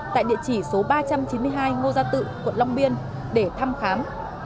tại địa chỉ số ba trăm chín mươi hai ngô gia tự quận long biên để thăm khám